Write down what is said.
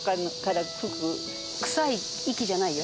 くさい息じゃないよ。